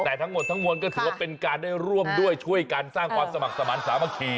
แต่ทั้งหมดทั้งมวลก็ถือว่าเป็นการได้ร่วมด้วยช่วยกันสร้างความสมัครสมาธิสามัคคี